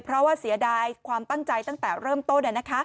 เพราะว่าเสียดายความตั้งใจตั้งแต่เริ่มต้น